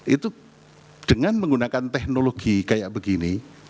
itu dengan menggunakan teknologi kayak begini